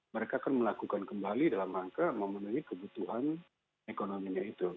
mereka akan melakukan kembali dalam rangka memenuhi kebutuhan ekonominya itu